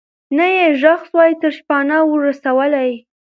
نه یې ږغ سوای تر شپانه ور رسولای